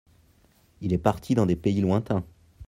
Il est parti dans des pays lointains.